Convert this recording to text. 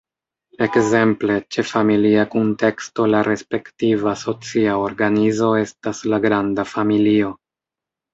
Ekzemple, ĉe familia kunteksto la respektiva socia organizo estas la granda familio.